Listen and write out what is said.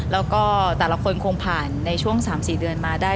แล้วก็แต่ละคนคงผ่านในช่วง๓๔เดือนมาได้